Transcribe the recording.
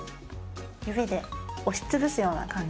指で押しつぶすような感じで。